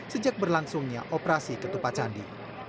sejak berlangsungnya operasi ketupat candi